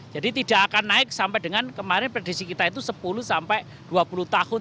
jadi tidak akan naik sampai dengan kemarin predisi kita itu sepuluh sampai dua puluh tahun